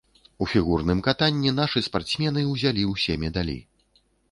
У фігурным катанні нашы спартсмены ўзялі ўсе медалі.